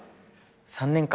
お３年間。